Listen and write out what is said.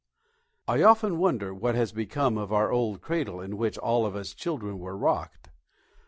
I often wonder what has become of our old cradle in which all of us children were rocked!